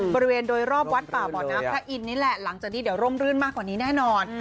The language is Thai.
บริเวณโดยรอบวัดป่าบ่อน้ำพระอินทร์นี่แหละหลังจากนี้เดี๋ยวร่มรื่นมากกว่านี้แน่นอน